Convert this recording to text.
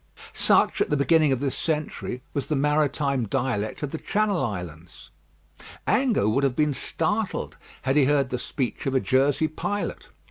Such, at the beginning of this century, was the maritime dialect of the Channel Islands. Ango would have been startled had he heard the speech of a Jersey pilot.